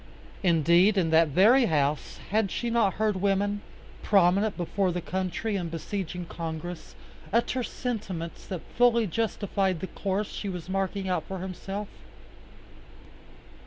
Indeed in that very house had she not heard women, prominent before the country and besieging Congress, utter sentiments that fully justified the course she was marking out for herself.